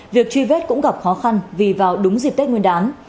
việc truy vết cũng gặp khó khăn vì vào đúng dịp tết nguyên đán